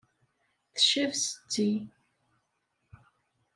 Tcab ssetti.